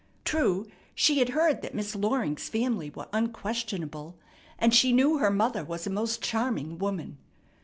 True, she had heard that Miss Loring's family were unquestionable, and she knew her mother was a most charming woman.